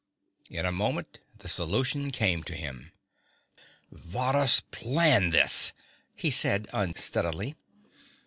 In a moment the solution came to him. "Varrhus planned this," he said unsteadily.